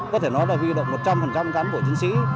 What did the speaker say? có thể nói là huy động một trăm linh cán bộ chiến sĩ